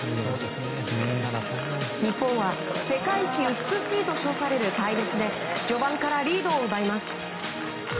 日本は世界一美しいと称される隊列で序盤からリードを奪います。